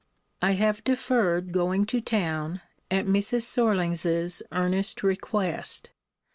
I have deferred going to town, at Mrs. Sorlings's earnest request.